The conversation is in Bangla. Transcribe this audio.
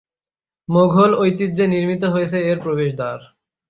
মোঘল ঐতিহ্যে নির্মিত হয়েছে এর প্রবেশদ্বার।